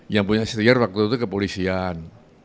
yang punya senior waktu itu kepolisian